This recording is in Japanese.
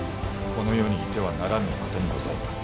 この世にいてはならぬお方にございます。